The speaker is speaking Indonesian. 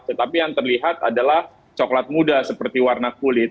tetapi yang terlihat adalah coklat muda seperti warna kulit